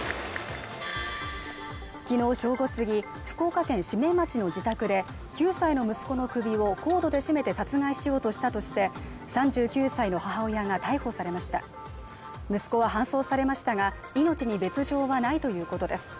昨日正午過ぎ福岡県志免町の自宅で９歳の息子の首をコードで絞めて殺害しようとしたとして３９歳の母親が逮捕されました息子は搬送されましたが命に別状はないということです